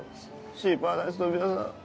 シーパラダイスの皆さん